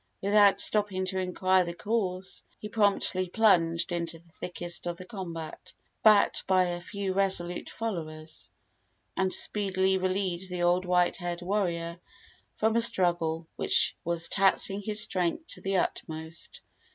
Without stopping to inquire the cause, he promptly plunged into the thickest of the combat, backed by a few resolute followers, and speedily relieved the old white haired warrior from a struggle which was taxing his strength to the utmost.